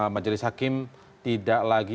majelis hakim tidak lagi